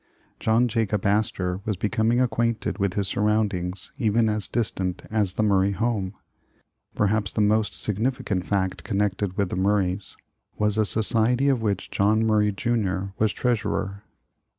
John Jacob Astor was becoming acquainted with his surroundings even as distant as the Murray home. Perhaps the most significant fact connected with the IMurrays, was a society of which John Murray, Jr., was treasurer.